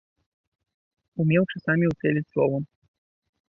Умеў часамі ўцэліць словам!